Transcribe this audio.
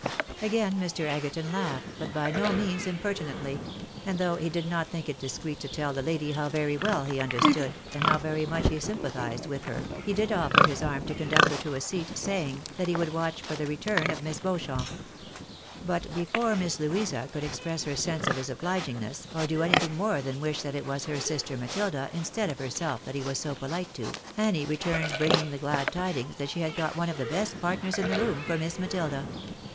Again Mr. Egerton laughed, but by no means impertinently ; and though he did not think it discreet to tell the lady how very well he understood and how very much he sympatliised with her, he did offer her his arm to conduct her to a seat, saying, that he would watch for the return of Miss Beauchamp. But before INIiss Louisa could express her sense of his obligingness, or do anything more than wish that it was her sister Matilda instead of herself that he was so polite to, Annie returned bringing the glad tidings that she had got one of the best partners in the room for Miss Matilda.